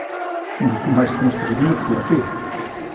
Moito máis que unha exposición de fotografía.